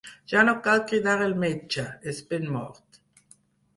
Ja no cal cridar el metge: és ben mort.